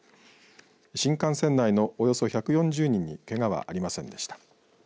新幹線内のおよそ１４０人にけがはありませんでした。